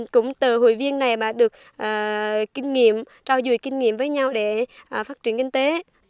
cũng từ hội viên này mà được kinh nghiệm trao dồi kinh nghiệm với nhau để phát triển kinh tế